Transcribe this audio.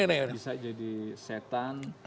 bisa jadi setan